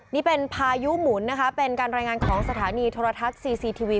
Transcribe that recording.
นี่เป็นพายุหมุนนะคะเป็นการรายงานของสถานีโทรทัศน์ซีซีทีวี